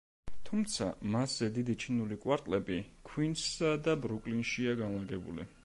თუმცა მასზე დიდი ჩინური კვარტლები ქუინსსა და ბრუკლინშია განლაგებული.